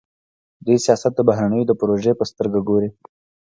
دوی سیاست د بهرنیو د پروژې په سترګه ګوري.